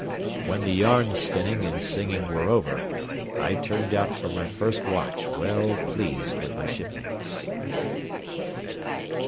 When the yarn spinning and singing were over, I turned out for my first watch well pleased with my shipmates.